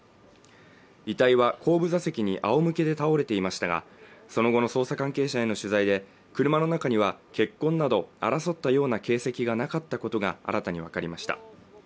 遺体は後部座席にあおむけで倒れていましたがその後の捜査関係者への取材で車の中には血痕など争ったような形跡がなかったことが新たに分かりました